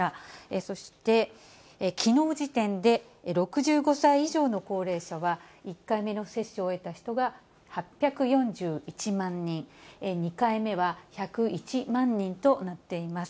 そして、きのう時点で、６５歳以上の高齢者は、１回目の接種を終えた人が８４１万人、２回目は１０１万人となっています。